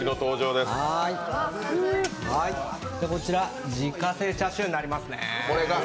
こちら、自家製チャーシューになりますね。